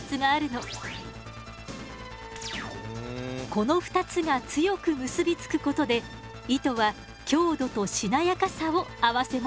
この２つが強く結び付くことで糸は強度としなやかさを併せ持つのよ。